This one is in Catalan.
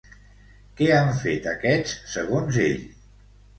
Què han fet aquests segons ell?